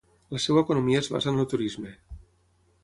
La seva economia s basa en el turisme.